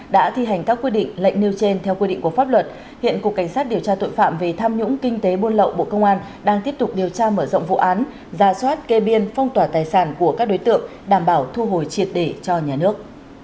đang tiếp tục điều tra mở rộng vụ án giả soát kê biên phong tỏa tài sản của các đối tượng đảm bảo thu hồi triệt để cho nhà nước